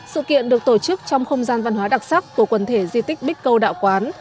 sự kiện được tổ chức trong không gian văn hóa đặc sắc của quần thể di tích bích câu đạo quán